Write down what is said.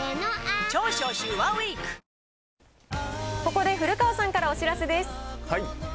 ここで古川さんからお知らせです。